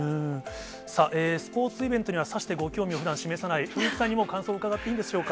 さあ、スポーツイベントには、さしてご興味をふだん示さない、古市さんにも感想を伺っていいでしょうか？